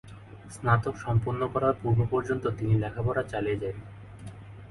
স্নাতক সম্পন্ন করার পূর্ব পর্যন্ত তিনি লেখাপড়া চালিয়ে যান।